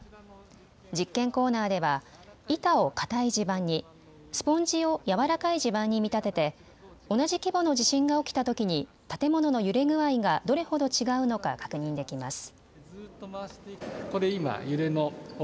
実験コーナーでは板を固い地盤に、スポンジを軟らかい地盤に見立てて同じ規模の地震が起きたときに建物の揺れ具合がどれほど違うのか確認できます。